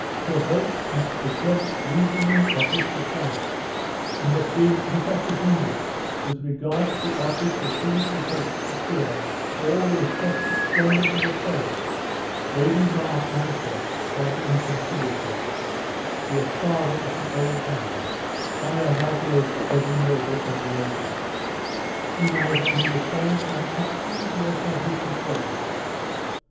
Provoked at the just reasoning of this reply and at being misapprehended with regard to the object with whom she hoped to share all the reflected splendors of a throne, Lady Mar answered, rather inconsiderately, "Your father is an old man, and has outlived every noble emulation. He neither understands my actions, nor shall he control them."